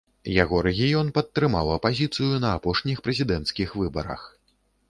Яго рэгіён падтрымаў апазіцыю на апошніх прэзідэнцкіх выбарах.